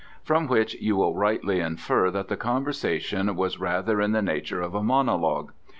From which you will rightly infer that the conversation was rather in the nature of a monologue.